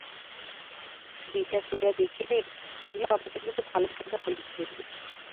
বিচার করিয়া দেখিলে ইহা অপেক্ষাকৃত ভাল প্রথা বলিতে হইবে।